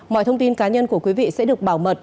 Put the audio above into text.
mọi thông tin cá nhân của quý vị sẽ được bảo mật